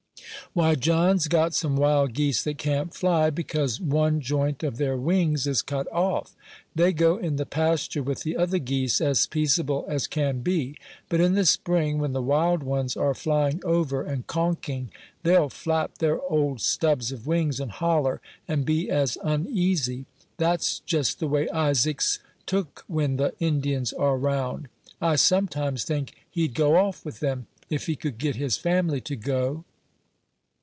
"Why, John's got some wild geese that can't fly, because one joint of their wings is cut off. They go in the pasture with the other geese as peaceable as can be; but in the spring, when the wild ones are flying over and konking, they'll flap their old stubs of wings, and holler, and be as uneasy; that's jest the way Isaac's took when the Indians are round. I sometimes think he'd go off with them, if he could get his family to go."